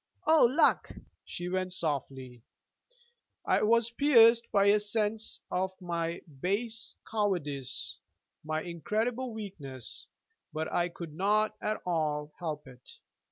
'O luck!' she went softly. I was pierced by a sense of my base cowardice, my incredible weakness: but I could not at all help it.